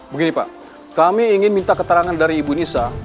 begini pak kami ingin minta keterangan dari ibu nisa